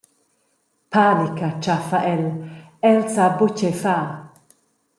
Panica tschaffa el, el sa buca tgei far.